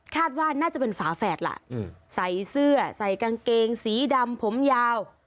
ว่าน่าจะเป็นฝาแฝดล่ะใส่เสื้อใส่กางเกงสีดำผมยาว